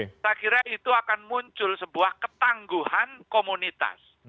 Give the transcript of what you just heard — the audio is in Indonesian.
saya kira itu akan muncul sebuah ketangguhan komunitas